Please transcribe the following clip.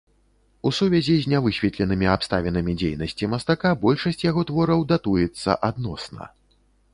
У сувязі з нявысветленымі абставінамі дзейнасці мастака большасць яго твораў датуецца адносна.